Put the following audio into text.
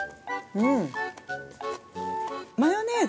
うん！